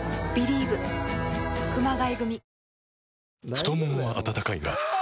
太ももは温かいがあ！